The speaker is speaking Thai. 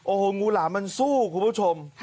โอ้โหงูหลามมันสู้คุณผู้ชม